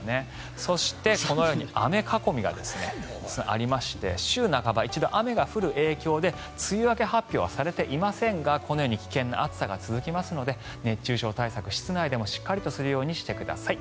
そしてこのように雨囲みがありまして週半ば、一度雨が降る影響で梅雨明け発表はされていませんがこのように危険な暑さが続きますので熱中症対策、室内でもしっかりするようにしてください。